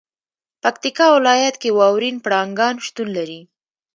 پکتیکا ولایت کې واورین پړانګان شتون لري.